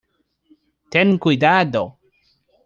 Ten Cuidado!